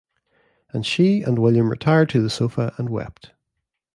And she and William retired to the sofa and wept.